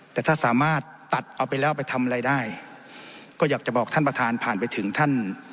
แต่ถ้าสามารถตัดเอาไปแล้วไปทำอะไรได้ก็อยากจะบอกท่านประธานผ่านไปถึงท่าน